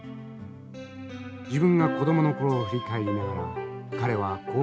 自分が子供の頃を振り返りながら彼はこう語っています。